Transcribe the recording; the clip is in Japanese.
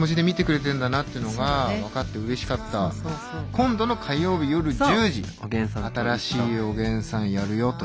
今度の火曜日夜１０時新しい「おげんさん」やるよと。